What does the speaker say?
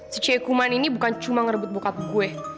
si cewek hukuman ini bukan cuma ngerebut bokap gue